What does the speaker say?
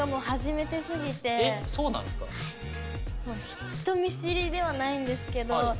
人見知りではないんですけど。